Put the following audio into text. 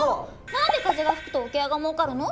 何で風が吹くと桶屋が儲かるの？